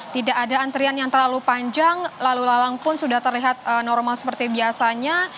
tidak ada antrian yang terlalu panjang lalu lalang pun sudah terlihat normal seperti biasanya